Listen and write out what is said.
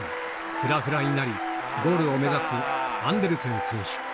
ふらふらになり、ゴールを目指す、アンデルセン選手。